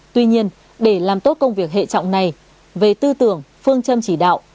tuy nhiên để làm tốt công việc hệ trọng này về tư tưởng phương châm chỉ đạo